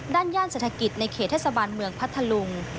ย่านเศรษฐกิจในเขตเทศบาลเมืองพัทธลุง